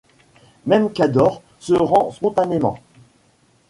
Même Cadore se rend spontanément.